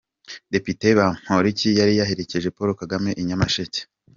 Depite Bamporiki yari yaherekeje Paul Kagame i Nyamasheke.